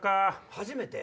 初めて？